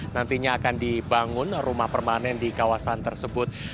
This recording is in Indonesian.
nantinya akan dibangun rumah permanen di kawasan tersebut